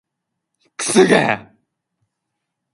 くそが